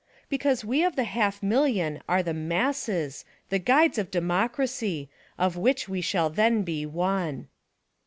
Because we of the HALF MILLION are the MASSES, the guides of DEMOCRACY, of which we shall then be ONE.